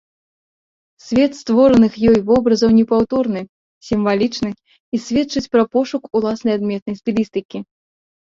Свет створаных ёй вобразаў непаўторны, сімвалічны і сведчыць пра пошук уласнай адметнай стылістыкі.